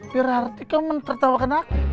berarti kau mentertawakan aku